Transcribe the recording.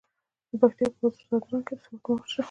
د پکتیا په وزه ځدراڼ کې د سمنټو مواد شته.